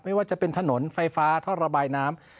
ไม่ว่าจะเป็นถนนไฟฟ้าท่อระบายน้ำ